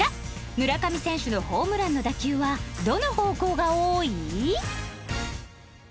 村上選手のホームランの打球はどの方向が多い？